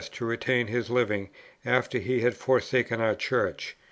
to retain his living, after he had forsaken our Church.